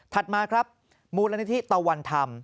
ถัดมาครับมูลนาฬิทิตวรรณธรรม